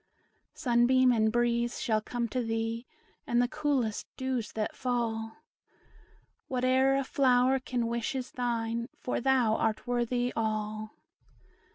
Sunbeam and breeze shall come to thee, And the coolest dews that fall; Whate'er a flower can wish is thine, For thou art worthy all.